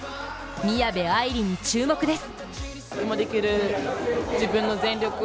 宮部藍梨に注目です。